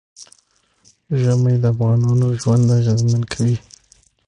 ژمی د افغانانو ژوند اغېزمن کوي.